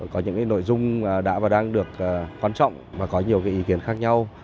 có những cái nội dung đã và đang được quan trọng và có nhiều cái ý kiến khác nhau